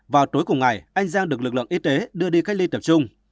vào tối cùng ngày anh giang được lực lượng y tế đưa đi cách ly tập trung